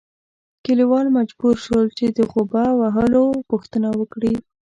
کلیوال مجبور شول چې د غوبه د وهلو پوښتنه وکړي.